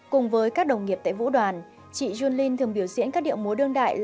cùng với các đồng nghiệp tại vũ đoàn chị jun linh thường biểu diễn các điệu múa đương đại